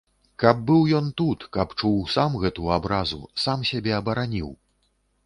Каб быў ён тут, каб чуў сам гэту абразу, сам сябе абараніў!